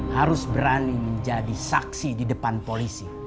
harus berani menjadi saksi di depan polisi